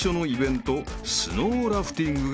スノーラフティングがスタート］